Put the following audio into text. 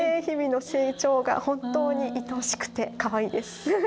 日々の成長が本当にいとおしくてかわいいです。